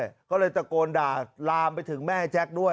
โอ้มีแม่แจ๊คด้วยก็เลยจะโกนด่าลามไปถึงแม่แจ๊คด้วย